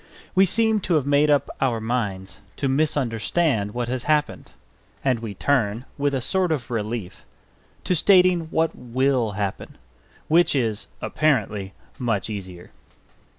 We seem to have made up our minds to misunderstand what has happened; and we turn, with a sort of relief, to stating what will happen which is (apparently) much easier.